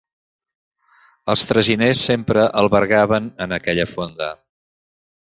Els traginers sempre albergaven en aquella fonda.